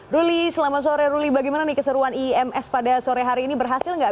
ruli selamat sore ruli bagaimana nih keseruan ims pada sore hari ini berhasil nggak